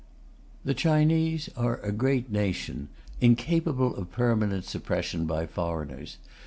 The Chinese are a great nation, incapable of permanent suppression by foreigners.